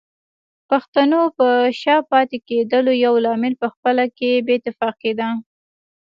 پښتنو په شا پاتې کېدلو يو لامل پخپله کې بې اتفاقي ده